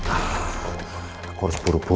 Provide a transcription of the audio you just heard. aku harus buru buru